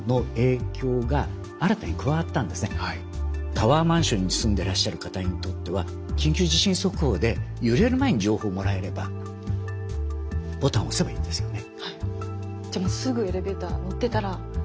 タワーマンションに住んでらっしゃる方にとっては緊急地震速報で揺れる前に情報をもらえればボタンを押せばいいんですよね。